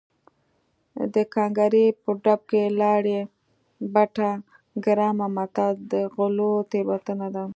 د ګانګړې په ډب کې لاړې بټه ګرامه متل د غلو تېروتنه ده